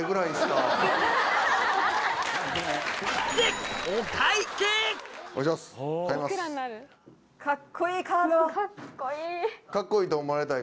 かっこいい！